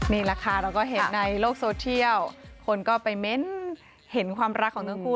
นี่แหละค่ะเราก็เห็นในโลกโซเทียลคนก็ไปเม้นเห็นความรักของทั้งคู่